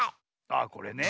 あっこれね。